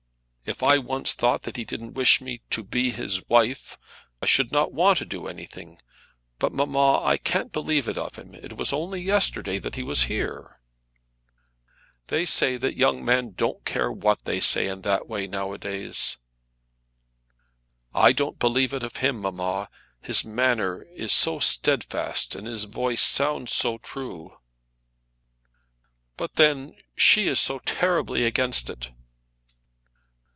If I once thought that he didn't wish me to be his wife, I should not want to do anything. But, mamma, I can't believe it of him. It was only yesterday that he was here." "They say that young men don't care what they say in that way now a days." "I don't believe it of him, mamma; his manner is so steadfast, and his voice sounds so true." "But then she is so terribly against it."